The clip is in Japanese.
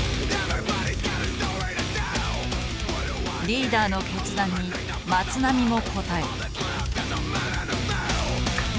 リーダーの決断に松並も応える。